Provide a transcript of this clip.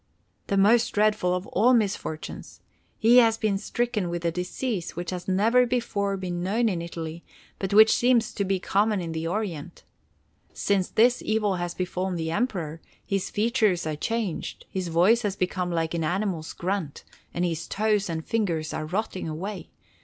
"The most dreadful of all misfortunes! He has been stricken with a disease which has never before been known in Italy, but which seems to be common in the Orient. Since this evil has befallen the Emperor, his features are changed, his voice has become like an animal's grunt, and his toes and fingers are rotting away.